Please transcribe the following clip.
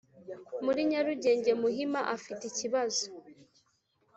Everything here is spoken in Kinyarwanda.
muri Nyarugugenge Muhima afite ikibazo